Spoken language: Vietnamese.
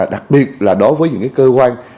đặc biệt là đối với những cơ quan